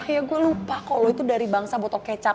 ya gue lupa kok lo itu dari bangsa botol kecap